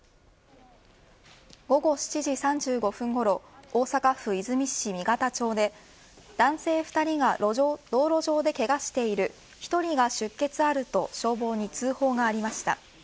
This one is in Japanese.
午後７時３５分ごろ大阪府和泉市箕形町で男性２人が道路上でけがしている１人が出血あると消防に通報がありました。